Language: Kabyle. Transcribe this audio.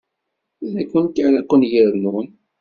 D nekkenti ara ken-yernun.